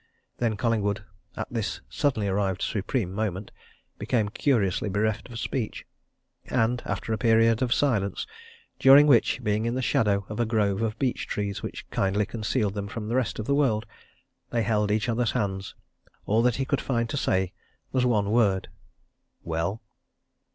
Then Collingwood, at this suddenly arrived supreme moment, became curiously bereft of speech. And after a period of silence, during which, being in the shadow of a grove of beech trees which kindly concealed them from the rest of the world, they held each other's hands, all that he could find to say was one word. "Well?"